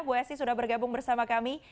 bu esy sudah bergabung bersama kami